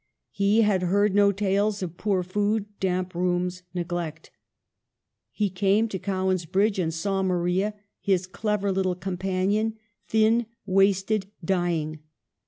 He had heard no tales of poor food, damp rooms, neglect. He came to Cowan's Bridge and saw Maria, his clever little companion, thin, wasted, dying.